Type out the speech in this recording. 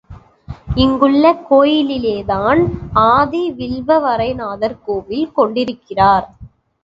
இங்குள்ள கோயிலிலேதான் ஆதி வில்வவரைநாதர் கோயில் கொண்டிருக்கிறார்.